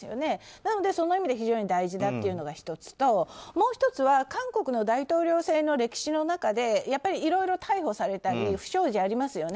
なのでその意味で非常に大事だというのが１つともう１つは韓国の大統領選の歴史の中でやっぱりいろいろ逮捕されたり不祥事がありますよね。